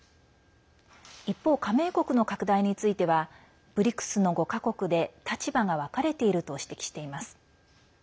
一方、加盟国の拡大についてはＢＲＩＣＳの５か国で立場が分かれていると指摘しています。